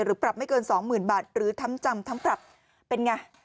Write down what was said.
ปรับไม่เกินสองหมื่นบาทหรือทั้งจำทั้งปรับเป็นไง